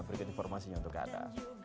berikan informasinya untuk anda